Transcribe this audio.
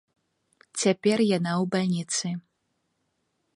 Цяпер яна ў бальніцы.